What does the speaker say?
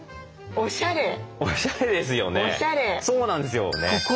おしゃれですよね。